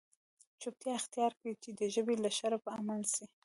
چوپتیا اختیار کړئ! چي د ژبي له شره په امن سئ.